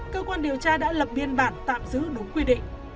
cơ quan điều tra đã lập biên bản tạm giữ đúng quy định